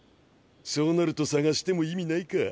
そうなると捜しても意味ないか。